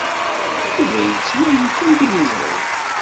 Yuba yettwali kan tiliẓri.